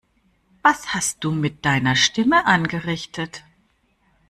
Was hast du mit deiner Stimme angerichtet?